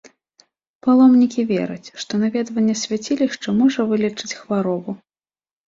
Паломнікі вераць, што наведванне свяцілішча можа вылечыць хваробу.